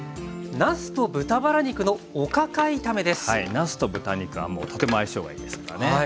なすと豚肉はもうとても相性がいいですからね。